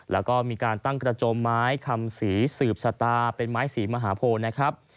แล้วก็มีการตั้งกระโจมไม้คำสีสืบชะตาเป็นไม้ศรีมหาโพนะครับ